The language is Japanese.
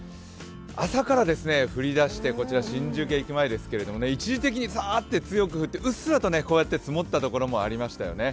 朝から降りだしてこちら新宿駅前ですけれども、一時的にザーッと強く降ってうっすらと積もったところがありましたよね。